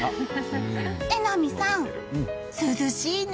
榎並さん、涼しいね。